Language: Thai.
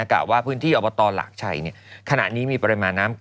กล่าวว่าพื้นที่อบตหลากชัยขณะนี้มีปริมาณน้ำ